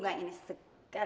kalo di meja saya ah